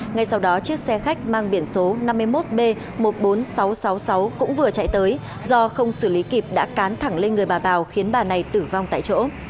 ngay sau đó chiếc xe khách mang biển số năm mươi một b một mươi bốn nghìn sáu trăm sáu mươi sáu cũng vừa chạy tới do không xử lý kịp đã cán thẳng lên người bà bảo khiến bà này tử vong tại chỗ